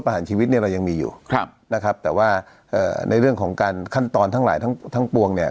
หารชีวิตเนี่ยเรายังมีอยู่ครับนะครับแต่ว่าในเรื่องของการขั้นตอนทั้งหลายทั้งปวงเนี่ย